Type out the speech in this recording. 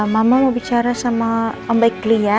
mama mau bicara sama om baik gli ya